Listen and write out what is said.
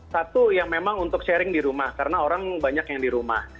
satu yang memang untuk sharing di rumah karena orang banyak yang di rumah